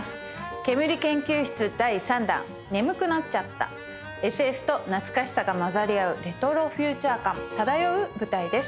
ケムリ研究室第３弾『眠くなっちゃった』ＳＦと懐かしさが交ざり合うレトロフューチャー感漂う舞台です。